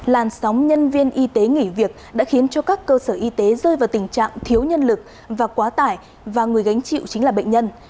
làn sóng nhân viên y tế nghỉ việc đã khiến cho các cơ sở y tế rơi vào tình trạng thiếu nhân lực và quá tải và người gánh chịu chính là bệnh nhân